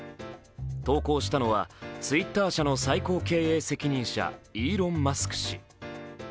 投稿したのは、Ｔｗｉｔｔｅｒ社の最高経営責任者、イーロン・マスク氏。